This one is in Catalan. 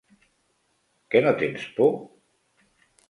Que no tens por?